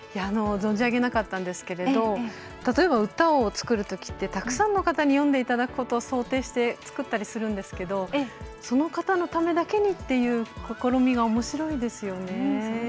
存じ上げなかったんですが例えば、歌を作るときってたくさんの方に読んでいただくことを想定して作ったりするんですけどその方のためだけにっていう試みがおもしろいですよね。